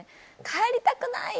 「帰りたくない！」